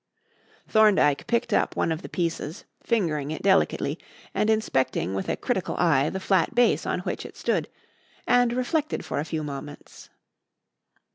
Thorndyke picked up one of the pieces, fingering it delicately and inspecting with a critical eye the flat base on which it stood, and reflected for a few moments.